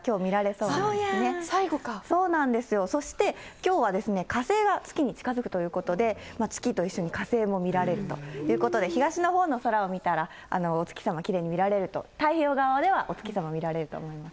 そうなんですよ、そしてきょうは、火星が月に近づくということで、月と一緒に火星も見られるということで、東のほうの空を見たら、お月様きれいに見られると、太平洋側ではお月様見られると思います。